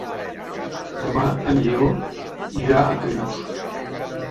Demà en Lleó irà a Callús.